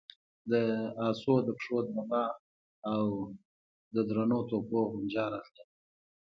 د آسونو د پښو دربا او د درنو توپونو غنجا راتله.